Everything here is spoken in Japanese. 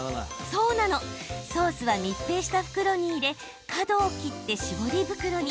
ソースは密閉した袋に入れ角を切って絞り袋に。